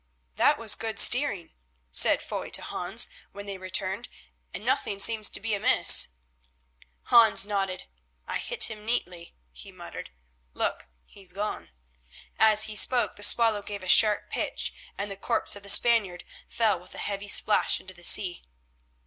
"That was good steering," said Foy to Hans, when they returned, "and nothing seems to be amiss." Hans nodded. "I hit him neatly," he muttered. "Look. He's gone." As he spoke the Swallow gave a sharp pitch, and the corpse of the Spaniard fell with a heavy splash into the sea.